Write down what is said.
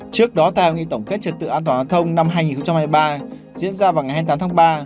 trước đó tại nghị tổng kết trật tự an toàn giao thông năm hai nghìn hai mươi ba diễn ra vào ngày hai mươi tám tháng ba